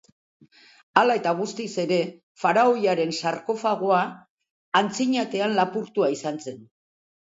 Hala eta guztiz ere, faraoiaren sarkofagoa, antzinatean lapurtua izan zen.